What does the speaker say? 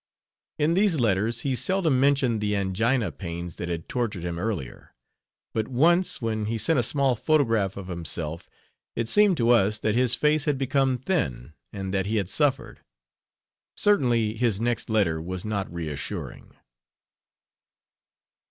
In these letters he seldom mentioned the angina pains that had tortured him earlier. But once, when he sent a small photograph of himself, it seemed to us that his face had become thin and that he had suffered. Certainly his next letter was not reassuring.